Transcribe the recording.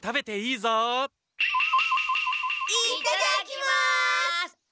いっただきます！